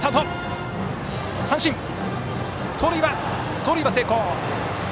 盗塁は成功！